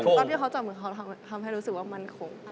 ตอนที่เขาจับมือเขาทำให้รู้สึกว่ามั่นคง